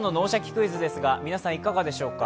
クイズ」ですが皆さんいかがでしょうか？